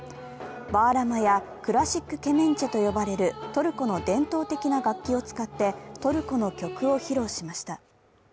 バーラマやクラシック・ケメンチェと呼ばれるトルコの伝統的な楽器を使ってトルコの曲を披露しました。